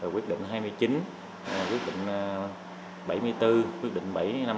quyết định hai mươi chín quyết định bảy mươi bốn quyết định bảy mươi năm sáu mươi bảy